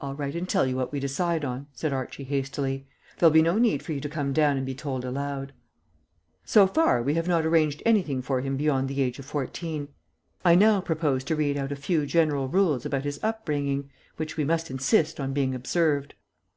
"I'll write and tell you what we decide on," said Archie hastily; "there'll be no need for you to come down and be told aloud." "So far we have not arranged anything for him beyond the age of fourteen. I now propose to read out a few general rules about his upbringing which we must insist on being observed."